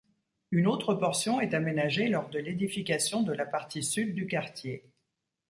Une autre portion est aménagée lors de l'édification de la partie sud du quartier.